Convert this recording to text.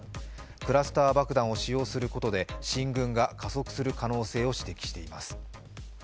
クラスター爆弾を使用することで進軍が加速する可能性を指摘しています。